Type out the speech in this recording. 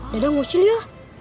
dadang ngusul ya